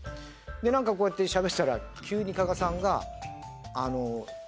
でこうやってしゃべってたら急に加賀さんが。